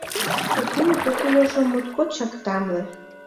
Софин когыльыжо моткочак тамле.